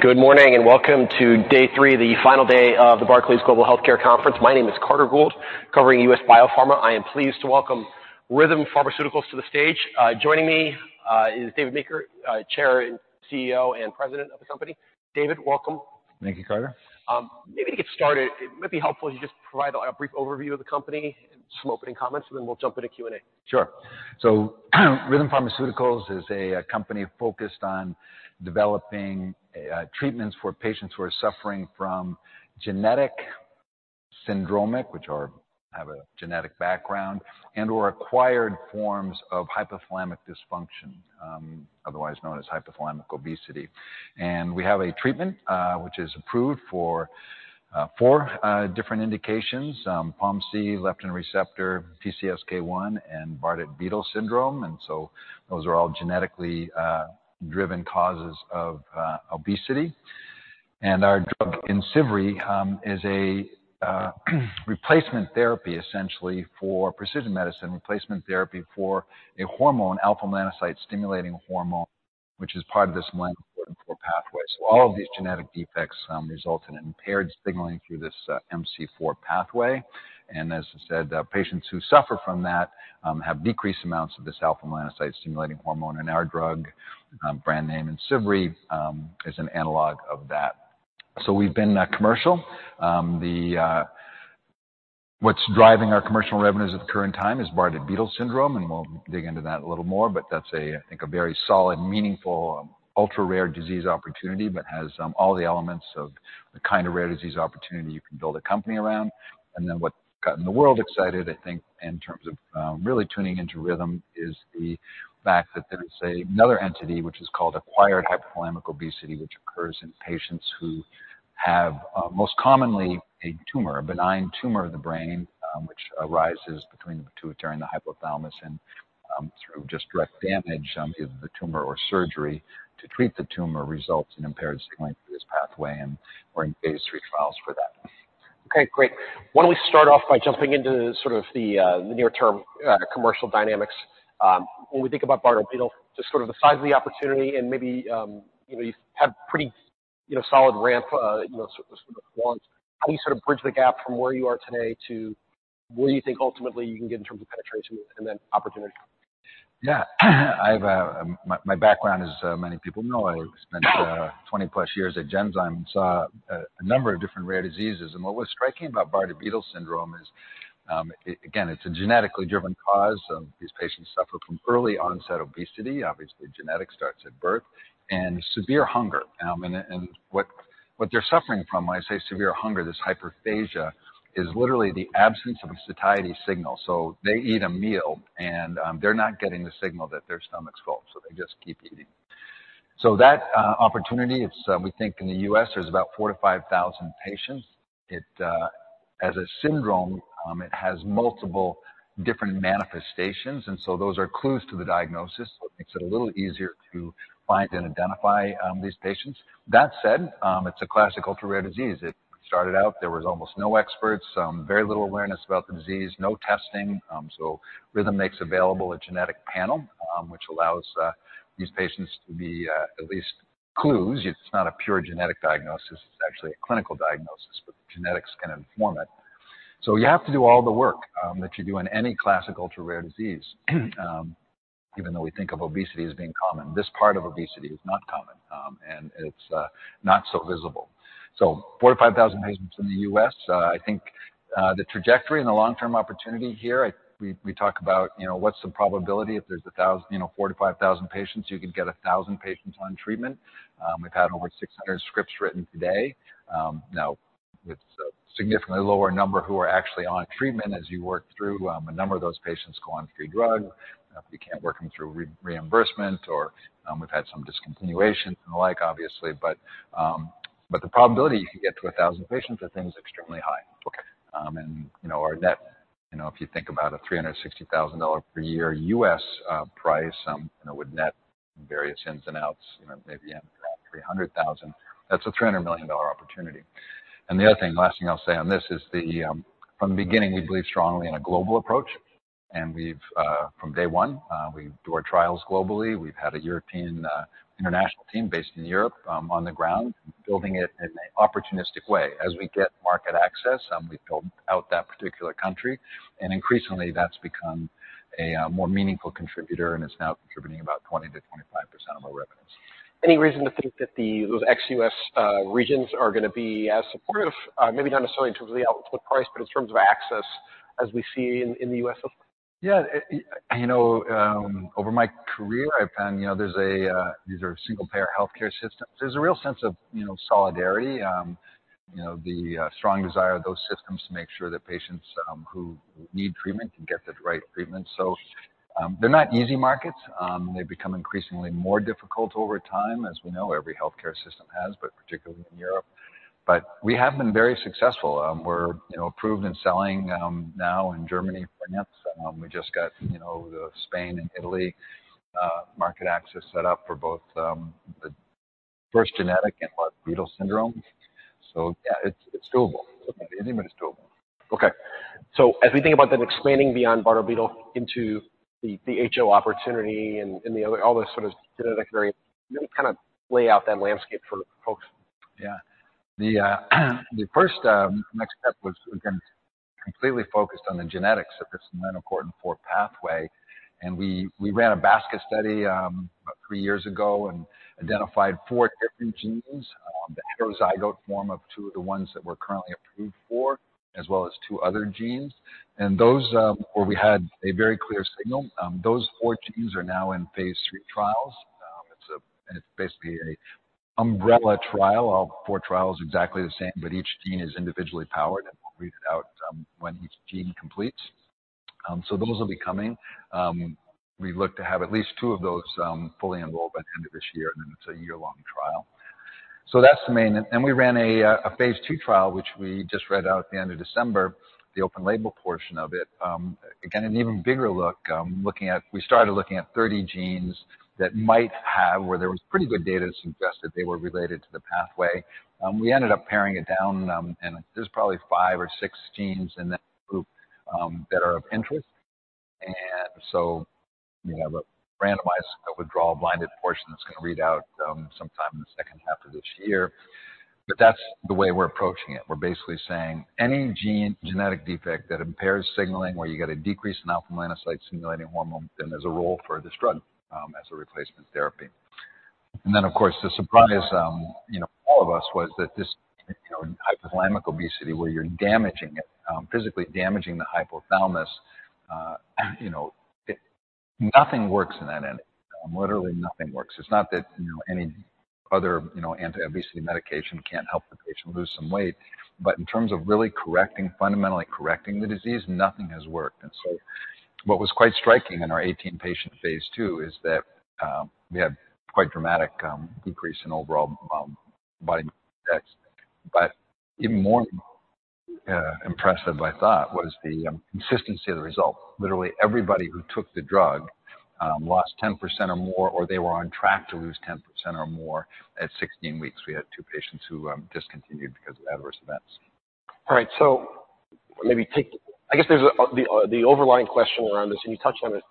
Good morning and welcome to day three, the final day of the Barclays Global Healthcare Conference. My name is Carter Gould, covering U.S. biopharma. I am pleased to welcome Rhythm Pharmaceuticals to the stage. Joining me is David Meeker, Chair, CEO, and President of the company. David, welcome. Thank you, Carter. Maybe to get started, it might be helpful if you just provide a brief overview of the company and some opening comments, and then we'll jump into Q&A. Sure. So Rhythm Pharmaceuticals is a company focused on developing treatments for patients who are suffering from genetic syndromes which have a genetic background and/or acquired forms of hypothalamic dysfunction, otherwise known as hypothalamic obesity. And we have a treatment which is approved for four different indications, POMC, leptin receptor, PCSK1, and Bardet-Biedl syndrome. And so those are all genetically driven causes of obesity. And our drug IMCIVREE is a replacement therapy, essentially, for precision medicine, replacement therapy for a hormone, alpha-melanocyte-stimulating hormone, which is part of this melanocortin-4 pathway. So all of these genetic defects result in impaired signaling through this MC4 pathway. And as I said, patients who suffer from that have decreased amounts of this alpha-melanocyte-stimulating hormone. And our drug, brand name IMCIVREE, is an analog of that. So we've been commercial. What's driving our commercial revenues at the current time is Bardet-Biedl syndrome, and we'll dig into that a little more. But that's a, I think, a very solid, meaningful, ultra-rare disease opportunity but has all the elements of the kind of rare disease opportunity you can build a company around. And then what's gotten the world excited, I think, in terms of really tuning into Rhythm is the fact that there's another entity which is called acquired hypothalamic obesity, which occurs in patients who have, most commonly a tumor, a benign tumor of the brain, which arises between the pituitary and the hypothalamus. And through just direct damage, either the tumor or surgery to treat the tumor results in impaired signaling through this pathway, and we're in phase 3 trials for that. Okay, great. Why don't we start off by jumping into sort of the near-term commercial dynamics? When we think about Bardet-Biedl, just sort of the size of the opportunity and maybe, you know, you've had a pretty, you know, solid ramp, you know, sort of swamped. How do you sort of bridge the gap from where you are today to where you think ultimately you can get in terms of penetration and then opportunity? Yeah. I have my background is, many people know. I spent 20-plus years at Genzyme and saw a number of different rare diseases. What was striking about Bardet-Biedl syndrome is, it again, it's a genetically driven cause. These patients suffer from early onset obesity, obviously genetic starts at birth, and severe hunger. And what they're suffering from, when I say severe hunger, this hyperphagia, is literally the absence of a satiety signal. So they eat a meal, and they're not getting the signal that their stomach's full, so they just keep eating. So that opportunity, it's, we think in the U.S. there's about 4-5 thousand patients. It, as a syndrome, it has multiple different manifestations. And so those are clues to the diagnosis, so it makes it a little easier to find and identify these patients. That said, it's a classic ultra-rare disease. It started out there was almost no experts, very little awareness about the disease, no testing. So Rhythm makes available a genetic panel, which allows these patients to be at least clues. It's not a pure genetic diagnosis. It's actually a clinical diagnosis, but genetics can inform it. So you have to do all the work that you do in any classic ultra-rare disease, even though we think of obesity as being common. This part of obesity is not common, and it's not so visible. So 4-5 thousand patients in the U.S. I think the trajectory and the long-term opportunity here. I we, we talk about, you know, what's the probability if there's 1,000 you know, 4-5 thousand patients, you can get 1,000 patients on treatment. We've had over 600 scripts written today. it's a significantly lower number who are actually on treatment as you work through. A number of those patients go on free drug. You can't work them through reimbursement, or we've had some discontinuations and the like, obviously. But the probability you can get to 1,000 patients, the thing is extremely high. Okay. You know, our net, you know, if you think about a $360,000 per year U.S. price, you know, with net and various ins and outs, you know, maybe anywhere around $300,000, that's a $300 million opportunity. The other thing, last thing I'll say on this is the, from the beginning, we believe strongly in a global approach. We've, from day one, we do our trials globally. We've had a European, international team based in Europe, on the ground, building it in an opportunistic way. As we get market access, we've built out that particular country. And increasingly, that's become a more meaningful contributor, and it's now contributing about 20%-25% of our revenues. Any reason to think that those ex-U.S. regions are going to be as supportive? Maybe not necessarily in terms of the output price, but in terms of access as we see in the U.S.? Yeah. You know, over my career, I've found, you know, there's a—these are single-payer healthcare systems. There's a real sense of, you know, solidarity, you know, the strong desire of those systems to make sure that patients who need treatment can get the right treatment. So, they're not easy markets. They become increasingly more difficult over time, as we know every healthcare system has, but particularly in Europe. But we have been very successful. We're, you know, approved and selling now in Germany for POMC. We just got, you know, in Spain and Italy market access set up for both the first genetic and Bardet-Biedl syndrome. So yeah, it's—it's doable. Anything but it's doable. Okay. So as we think about then expanding beyond Bardet-Biedl into the HO opportunity and the other all those sort of genetic variants, maybe kind of lay out that landscape for folks. Yeah. The first next step was, again, completely focused on the genetics of this melanocortin-4 pathway. And we ran a basket study, about three years ago and identified four different genes, the heterozygote form of two of the ones that we're currently approved for, as well as 2 other genes. And those, where we had a very clear signal, those four genes are now in phase 3 trials. It's a and it's basically a umbrella trial. All four trials are exactly the same, but each gene is individually powered, and we'll read it out, when each gene completes. So those will be coming. We look to have at least two of those, fully enrolled by the end of this year, and then it's a year-long trial. So that's the main. And we ran a phase 2 trial, which we just read out at the end of December, the open-label portion of it. Again, an even bigger look, looking at we started looking at 30 genes that might have where there was pretty good data to suggest that they were related to the pathway. We ended up paring it down, and there's probably five or six genes in that group that are of interest. And so we have a randomized, withdrawal-blinded portion that's going to read out sometime in the second half of this year. But that's the way we're approaching it. We're basically saying any gene genetic defect that impairs signaling where you get a decrease in alpha-melanocyte-stimulating hormone, then there's a role for this drug, as a replacement therapy. And then, of course, the surprise, you know, for all of us was that this, you know, hypothalamic obesity where you're damaging it, physically damaging the hypothalamus, you know, it nothing works in that end. Literally nothing works. It's not that, you know, any other, you know, anti-obesity medication can't help the patient lose some weight. But in terms of really correcting, fundamentally correcting the disease, nothing has worked. And so what was quite striking in our 18-patient phase 2 is that we had quite dramatic decrease in overall body mass index. But even more impressive I thought was the consistency of the results. Literally everybody who took the drug lost 10% or more, or they were on track to lose 10% or more at 16 weeks. We had two patients who discontinued because of adverse events. All right. So maybe I guess there's the overlying question around this, and you touched on it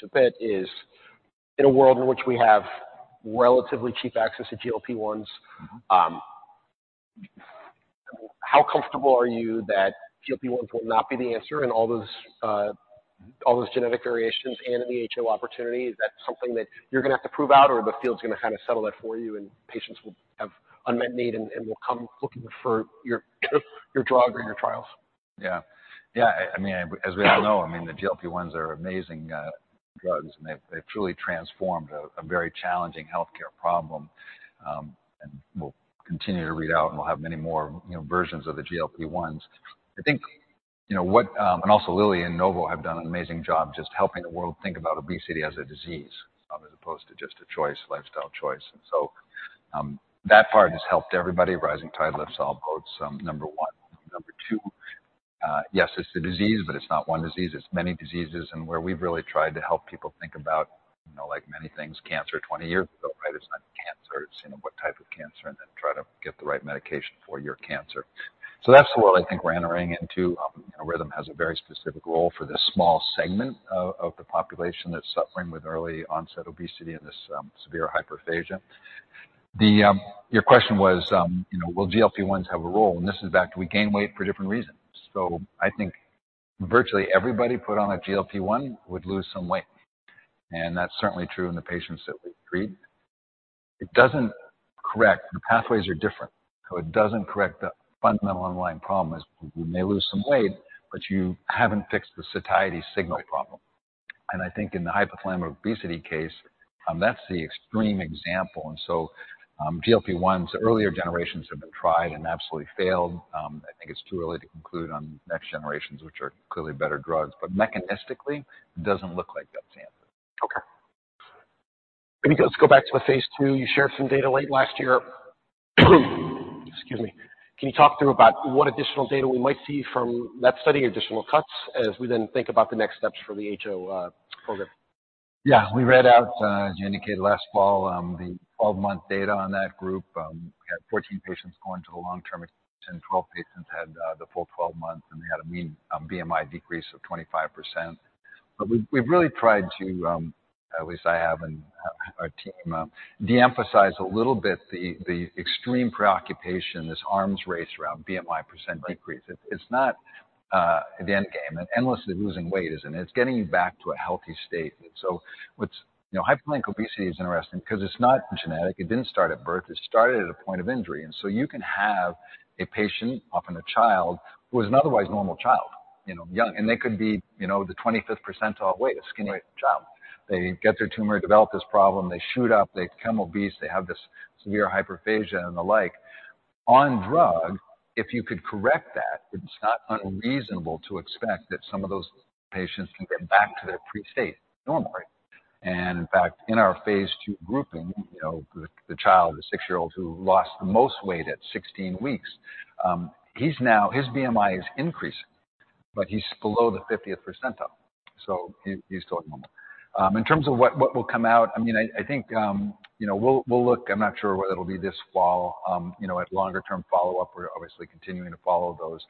to a bit, is in a world in which we have relatively cheap access to GLP-1s, how comfortable are you that GLP-1s will not be the answer in all those genetic variations and in the HO opportunity? Is that something that you're going to have to prove out, or the field's going to kind of settle that for you, and patients will have unmet need and will come looking for your drug or your trials? Yeah. Yeah. I mean, as we all know, I mean, the GLP-1s are amazing drugs, and they've truly transformed a very challenging healthcare problem. And we'll continue to read out, and we'll have many more, you know, versions of the GLP-1s. I think, you know, and also Lilly and Novo have done an amazing job just helping the world think about obesity as a disease, as opposed to just a choice, lifestyle choice. And so, that part has helped everybody. Rising Tide lifts all boats, number one. Number two, yes, it's a disease, but it's not one disease. It's many diseases. And where we've really tried to help people think about, you know, like many things, cancer 20 years ago, right? It's not cancer. It's, you know, what type of cancer, and then try to get the right medication for your cancer. So that's the world I think we're entering into. You know, Rhythm has a very specific role for this small segment of the population that's suffering with early onset obesity and this severe hyperphagia. Your question was, you know, will GLP-1s have a role? And this is back to we gain weight for different reasons. So I think virtually everybody put on a GLP-1 would lose some weight. And that's certainly true in the patients that we treat. It doesn't correct the pathways are different. So it doesn't correct the fundamental underlying problem is you may lose some weight, but you haven't fixed the satiety signal problem. And I think in the hypothalamic obesity case, that's the extreme example. And so, GLP-1s, earlier generations have been tried and absolutely failed. I think it's too early to conclude on next generations, which are clearly better drugs. But mechanistically, it doesn't look like that's the answer. Okay. Let's go back to the phase 2. You shared some data late last year. Excuse me. Can you talk through about what additional data we might see from that study or additional cuts as we then think about the next steps for the HO program? Yeah. We read out, as you indicated last fall, the 12-month data on that group. We had 14 patients going to the long-term admission. 12 patients had the full 12 months, and they had a mean BMI decrease of 25%. But we've really tried to, at least I have and our team, de-emphasize a little bit the extreme preoccupation, this arms race around BMI percent decrease. It's not the end game. And endlessly losing weight isn't it? It's getting you back to a healthy state. And so what's, you know, hypothalamic obesity is interesting because it's not genetic. It didn't start at birth. It started at a point of injury. And so you can have a patient, often a child, who was an otherwise normal child, you know, young. And they could be, you know, the 25th percentile weight, a skinny child. They get their tumor, develop this problem, they shoot up, they become obese, they have this severe hyperphagia, and the like. On drug, if you could correct that, it's not unreasonable to expect that some of those patients can get back to their pre-state normal. In fact, in our phase 2 grouping, you know, the child, the 6-year-old who lost the most weight at 16 weeks, he's now his BMI is increasing, but he's below the 50th percentile. So he's totally normal. In terms of what will come out, I mean, I think, you know, we'll look. I'm not sure whether it'll be this fall, you know, at longer-term follow-up. We're obviously continuing to follow those.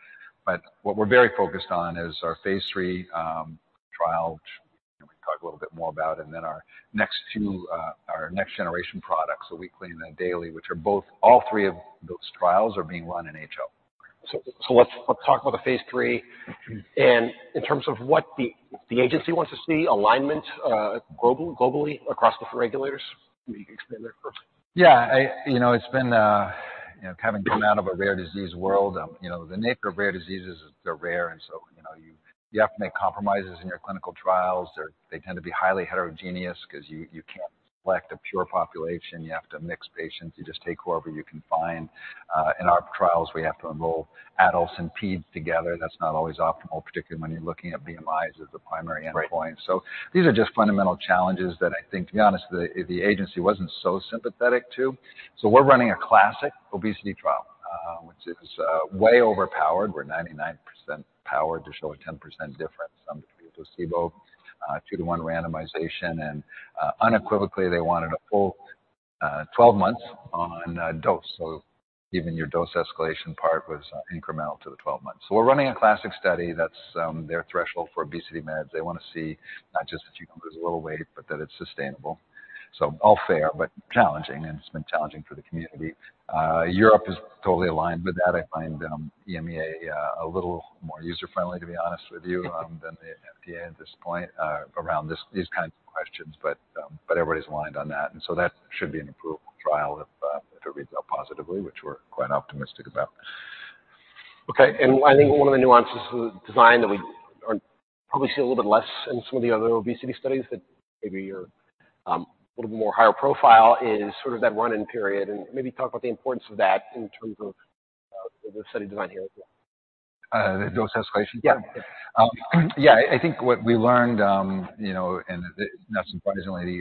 What we're very focused on is our phase 3 trial, which, you know, we can talk a little bit more about, and then our next two, our next-generation products, the weekly and the daily, which are both all three of those trials are being run in HO. Let's talk about the phase 3. In terms of what the agency wants to see, alignment globally across different regulators? Maybe you can expand there first. Yeah. You know, it's been, you know, having come out of a rare disease world, you know, the nature of rare diseases is they're rare. And so, you know, you have to make compromises in your clinical trials. They tend to be highly heterogeneous because you can't select a pure population. You have to mix patients. You just take whoever you can find. In our trials, we have to enroll adults and peds together. That's not always optimal, particularly when you're looking at BMIs as the primary endpoint. So these are just fundamental challenges that I think, to be honest, the agency wasn't so sympathetic to. So we're running a classic obesity trial, which is way overpowered. We're 99% powered to show a 10% difference between placebo, 2-to-1 randomization. And unequivocally, they wanted a full 12 months on dose. So even your dose escalation part was incremental to the 12 months. So we're running a classic study. That's their threshold for obesity meds. They want to see not just that you can lose a little weight, but that it's sustainable. So all fair, but challenging. And it's been challenging for the community. Europe is totally aligned with that. I find EMEA a little more user-friendly, to be honest with you, than the FDA at this point, around these kinds of questions. But everybody's aligned on that. And so that should be an approval trial if it reads out positively, which we're quite optimistic about. Okay. I think one of the nuances of the design that we are probably see a little bit less in some of the other obesity studies, that maybe you're a little bit more higher profile, is sort of that run-in period. Maybe talk about the importance of that in terms of the study design here as well. the dose escalation? Yeah. Yeah. I think what we learned, you know, and not surprisingly, the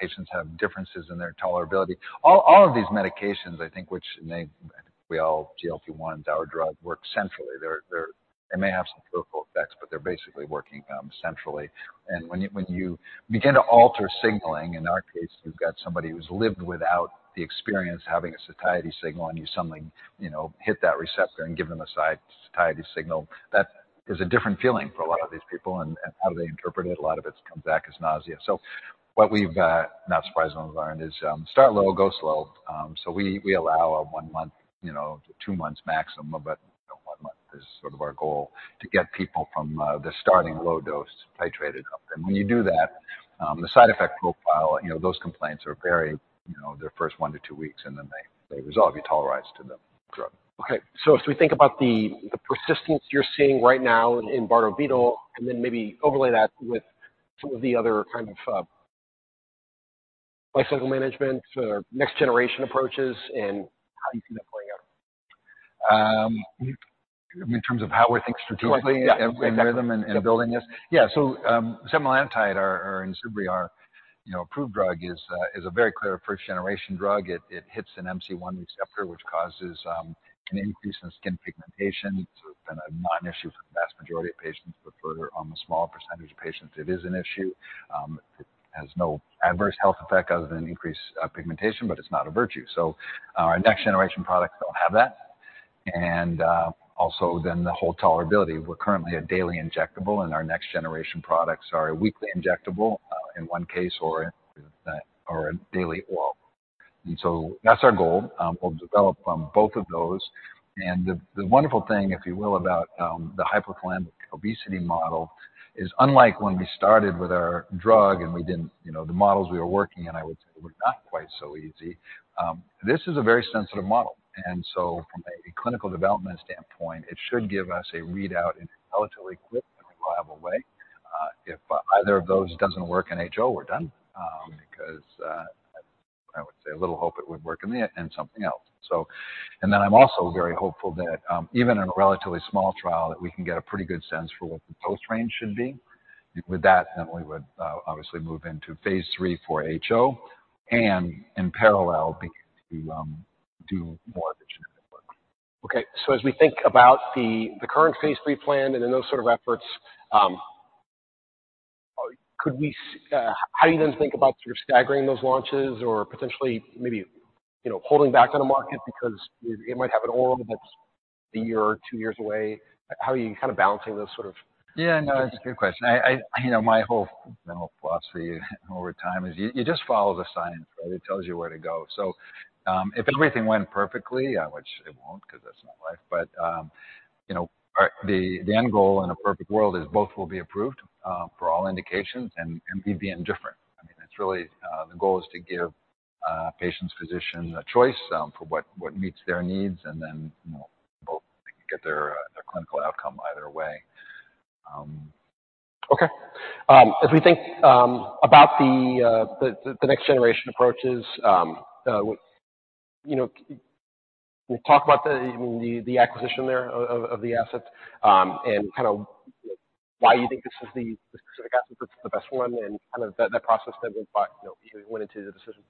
patients have differences in their tolerability. All of these medications, I think, which may I think we all GLP-1s, our drug, work centrally. They're, they may have some peripheral effects, but they're basically working centrally. And when you begin to alter signaling, in our case, you've got somebody who's lived without the experience having a satiety signal, and you suddenly, you know, hit that receptor and give them a side satiety signal, that is a different feeling for a lot of these people. And how do they interpret it? A lot of it comes back as nausea. So what we've not surprisingly learned is, start low, go slow. So we allow one month, you know, two months maximum. But, you know, one month is sort of our goal to get people from the starting low dose titrated up. And when you do that, the side effect profile, you know, those complaints are very, you know, they're first one to two weeks, and then they resolve. You tolerize to the drug. Okay. So if we think about the persistence you're seeing right now in Bardet-Biedl, and then maybe overlay that with some of the other kind of lifecycle management or next-generation approaches, and how do you see that playing out? In terms of how we're thinking strategically in Rhythm and building this? Yes. Yeah. So, setmelanotide, our IMCIVREE, you know, approved drug is a very clear first-generation drug. It hits an MC1 receptor, which causes an increase in skin pigmentation. It's been a non-issue for the vast majority of patients, but for a smaller percentage of patients, it is an issue. It has no adverse health effect other than increased pigmentation, but it's not a virtue. So, our next-generation products don't have that. And also the whole tolerability. We're currently a daily injectable, and our next-generation products are a weekly injectable, in one case, or a daily oral. And so that's our goal. We'll develop both of those. The wonderful thing, if you will, about the hypothalamic obesity model is, unlike when we started with our drug and we didn't, you know, the models we were working in, I would say were not quite so easy. This is a very sensitive model. And so from a clinical development standpoint, it should give us a readout in a relatively quick and reliable way. If either of those doesn't work in HO, we're done, because I would say a little hope it would work in the and something else. And then I'm also very hopeful that, even in a relatively small trial, that we can get a pretty good sense for what the dose range should be. With that, then we would obviously move into phase three for HO and, in parallel, begin do more of the genetic work. Okay. So as we think about the current phase 3 plan and then those sort of efforts, could we see how do you then think about sort of staggering those launches or potentially maybe, you know, holding back on a market because it might have an oral that's a year or two years away? How are you kind of balancing those sort of? Yeah. No, that's a good question. I, you know, my whole philosophy over time is you just follow the science, right? It tells you where to go. So, if everything went perfectly, which it won't because that's not life, but, you know, the end goal in a perfect world is both will be approved, for all indications, and we'd be indifferent. I mean, it's really, the goal is to give patients, physicians a choice, for what meets their needs, and then, you know, both get their clinical outcome either way. Okay. As we think about the next-generation approaches, you know, talk about the—I mean, the acquisition there of the assets, and kind of why you think this is the specific asset that's the best one and kind of that process that went by, you know, you went into the decision.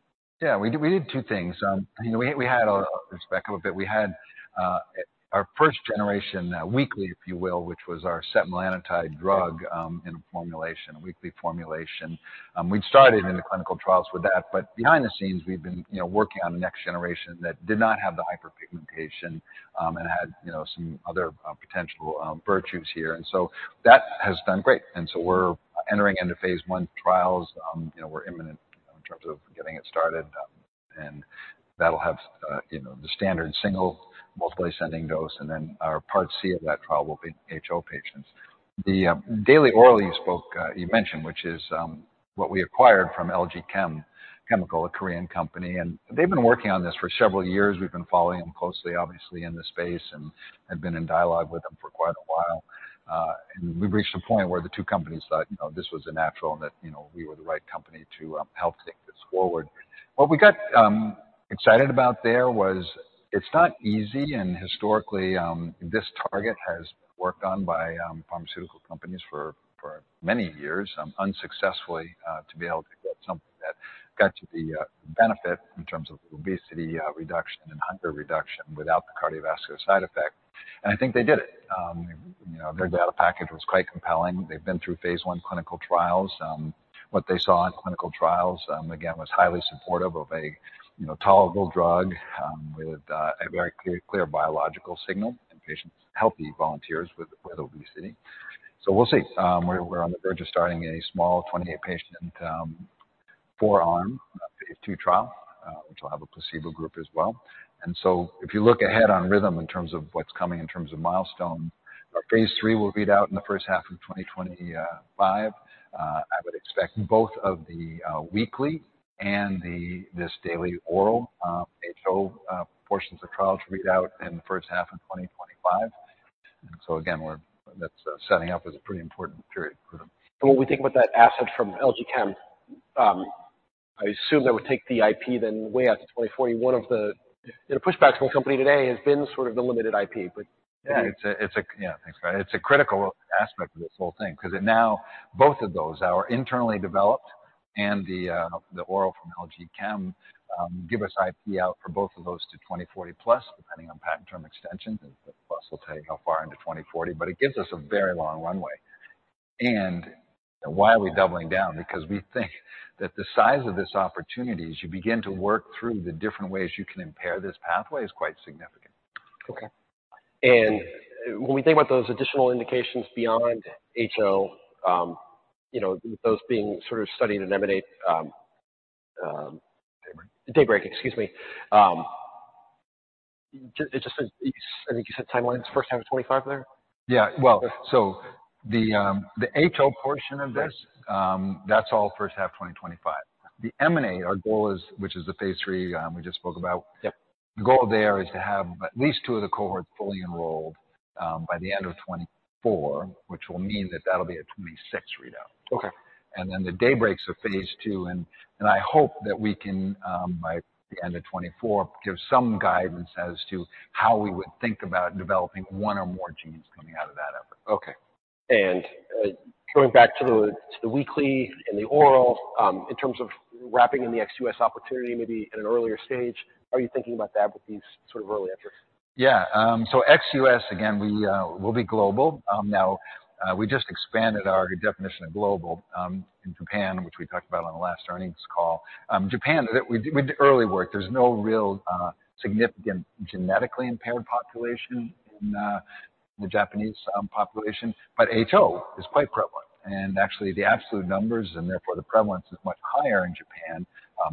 Yeah. We did we did two things, you know. We had just backed up a bit. We had our first generation weekly, if you will, which was our setmelanotide drug in a formulation, a weekly formulation. We'd started in the clinical trials with that. But behind the scenes, we've been, you know, working on a next generation that did not have the hyperpigmentation and had, you know, some other potential virtues here. And so that has done great. And so we're entering into phase one trials. You know, we're imminent, you know, in terms of getting it started. And that'll have, you know, the standard single and multiple ascending dose. And then our part C of that trial will be HO patients. The daily oral you spoke, you mentioned, which is what we acquired from LG Chem, a Korean company. They've been working on this for several years. We've been following them closely, obviously, in the space and had been in dialogue with them for quite a while. We've reached a point where the two companies thought, you know, this was a natural and that, you know, we were the right company to help take this forward. What we got excited about there was it's not easy. Historically, this target has worked on by pharmaceutical companies for many years, unsuccessfully, to be able to get something that got you the benefit in terms of obesity reduction and hunger reduction without the cardiovascular side effect. I think they did it, you know. Their data package was quite compelling. They've been through phase 1 clinical trials. What they saw in clinical trials, again, was highly supportive of a, you know, tolerable drug, with a very clear biological signal in patients, healthy volunteers with obesity. So we'll see. We're on the verge of starting a small 28-patient, four-arm, phase 2 trial, which will have a placebo group as well. And so if you look ahead on Rhythm in terms of what's coming, in terms of milestones, our phase 3 will read out in the first half of 2025. I would expect both of the weekly and the daily oral HO portions of trials to read out in the first half of 2025. And so again, that's setting up as a pretty important period for them. When we think about that asset from LG Chem, I assume that would take the IP then way out to 2040. One of the you know, pushbacks from the company today has been sort of the limited IP. But. Yeah. Thanks, Carter. It's a critical aspect of this whole thing because it now both of those, our internally developed and the oral from LG Chem, give us IP out for both of those to 2040 plus, depending on patent term extensions. And the plus will tell you how far into 2040. But it gives us a very long runway. And why are we doubling down? Because we think that the size of this opportunities, you begin to work through the different ways you can impair this pathway, is quite significant. Okay. When we think about those additional indications beyond HO, you know, with those being sort of studied in EMANATE, DAYBREAK. DAYBREAK, excuse me. It just—I think you said timelines. First half of 2025 there? Yeah. Well, so the HO portion of this, that's all first half 2025. The EMANATE, our goal is which is the phase three, we just spoke about. Yep. The goal there is to have at least two of the cohorts fully enrolled, by the end of 2024, which will mean that that'll be a 2026 readout. Okay. Then the DAYBREAK of phase 2. I hope that we can, by the end of 2024, give some guidance as to how we would think about developing one or more genes coming out of that effort. Okay. And going back to the weekly and the oral, in terms of wrapping in the ex-US opportunity maybe at an earlier stage, how are you thinking about that with these sort of early efforts? Yeah. So ex-US, again, we'll be global. Now, we just expanded our definition of global in Japan, which we talked about on the last earnings call. Japan, we did early work. There's no real significant genetically impaired population in the Japanese population. But HO is quite prevalent. And actually, the absolute numbers and therefore the prevalence is much higher in Japan.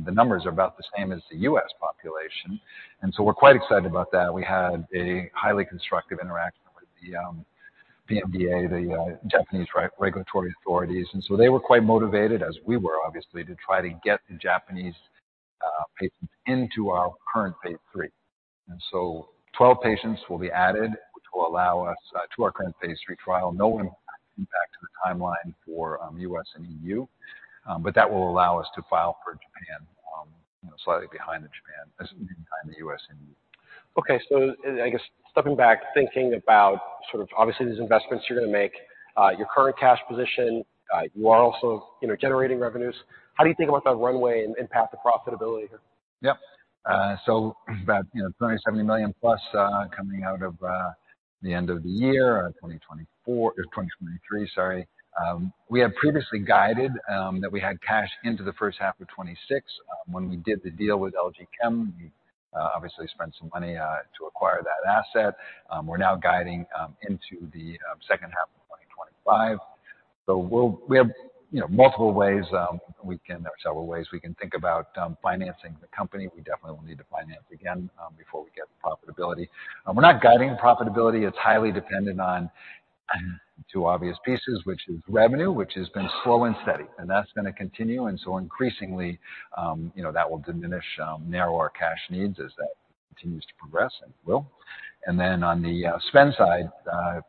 The numbers are about the same as the U.S. population. And so we're quite excited about that. We had a highly constructive interaction with the PMDA, the Japanese regulatory authorities. And so they were quite motivated, as we were, obviously, to try to get the Japanese patients into our current phase 3. And so 12 patients will be added, which will allow us to our current phase 3 trial, no impact to the timeline for U.S. and EU. But that will allow us to file for Japan, you know, slightly behind the Japan as in time the US and EU. Okay. So I guess stepping back, thinking about sort of obviously, these investments you're going to make, your current cash position, you are also, you know, generating revenues. How do you think about that runway and impact the profitability here? Yep. So about, you know, $370 million plus, coming out of the end of the year, 2024 or 2023, sorry. We had previously guided that we had cash into the first half of 2026. When we did the deal with LG Chem, we obviously spent some money to acquire that asset. We're now guiding into the second half of 2025. So we'll have, you know, multiple ways we can or several ways we can think about financing the company. We definitely will need to finance again before we get profitability. We're not guiding profitability. It's highly dependent on two obvious pieces, which is revenue, which has been slow and steady. And that's going to continue. And so increasingly, you know, that will diminish, narrow our cash needs as that continues to progress and will. And then on the spend side,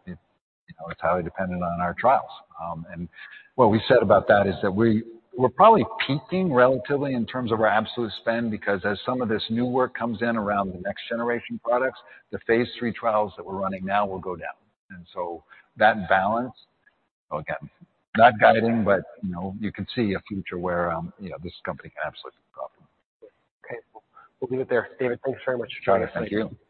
it, you know, it's highly dependent on our trials. what we said about that is that we're probably peaking relatively in terms of our absolute spend because as some of this new work comes in around the next-generation products, the phase 3 trials that we're running now will go down. So that balance, so again, not guiding, but, you know, you can see a future where, you know, this company can absolutely be profitable. Okay. Well, we'll leave it there, David. Thanks very much for joining us today. All right. Thank you.